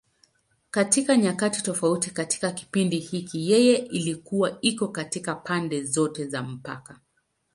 Katika nyakati tofauti katika kipindi hiki, yeye ilikuwa iko katika pande zote za mpaka.